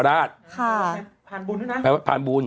ครับผ่านบุญรึเปล่านะภูมิผ่านบุญ